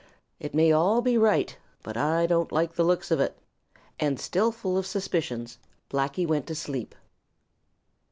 It may be all right, but I don't like the looks of it." And still full of suspicions, Blacky went to sleep.